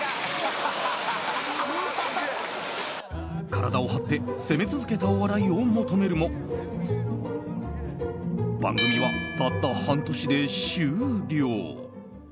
体を張って攻め続けたお笑いを求めるも番組はたった半年で終了。